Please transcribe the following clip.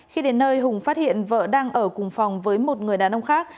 khi đến nơi hùng phát hiện vợ đang ở cùng phòng với một người đàn ông khác